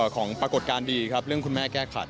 ปรากฏการณ์ดีครับเรื่องคุณแม่แก้ขัด